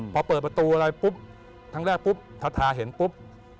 พอเปิดประตูอะไรปุ๊บครั้งแรกปุ๊บทาทาเห็นปุ๊บ